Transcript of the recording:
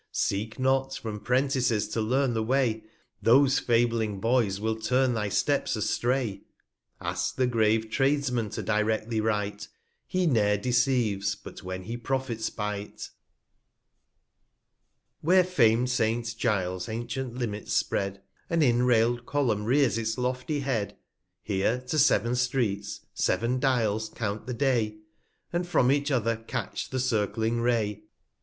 Seek not from Prentices to learn the Way, Those fabling Boys will turn thy Steps astray; 70 Ask the grave Tradesman to dire& thee right, I He ne'er deceives, but when he profits by't. Where fam'd Saint Giles's ancient Limits spread, An inrail'd Column rears its lofty Head, Here to sev'n Streets, sev'n Dials count the Day, 75 And from each other catch the circling Ray.